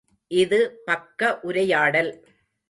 இது பக்க உரையாடல்.